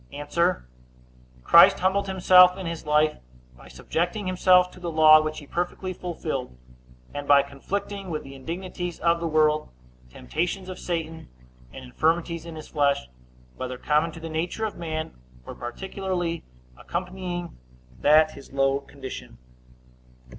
A. Christ humbled himself in his life, by subjecting himself to the law, which he perfectly fulfilled; and by conflicting with the indignities of the world, temptations of Satan, and infirmities in his flesh, whether common to the nature of man, or particularly accompanying that his low condition.